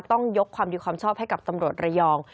ต้องยกความดีความชอบให้กับตำรวจระยอง